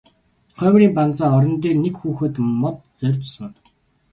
Хоймрын банзан орон дээр нэг хүүхэд мод зорьж сууна.